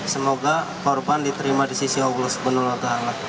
semoga korban diterima di sisi allah swt